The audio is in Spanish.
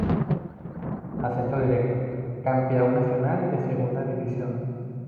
Ascenso Directo: Campeón Nacional de Segunda División.